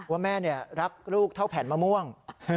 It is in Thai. ว่าแม่รักลูกเท่าแผ่นมะม่วง